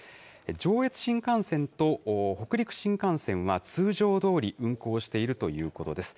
上越新幹線と北陸新幹線は、通常どおり運行しているということです。